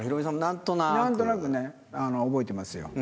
何となくね覚えてますよ。